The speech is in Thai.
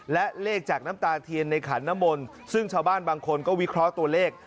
และเลขจากน้ำตาเทียนในขันน้ำมนต์ซึ่งชาวบ้านบางคนก็วิเคราะห์ตัวเลข